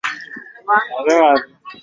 vipuri kwa motors za nje mwisho wa safari